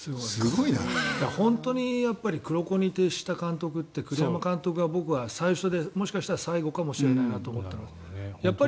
本当に黒衣に徹した監督って栗山監督が僕は最初で最後かもしれないと思ってる。